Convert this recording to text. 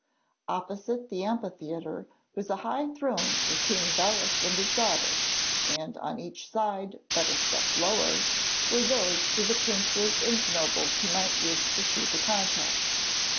Opposite the amphitheatre was a high throne for King Belus and his daughter, and on each side, but a step lower, were those for the princes and nobles who might wish to see the contest.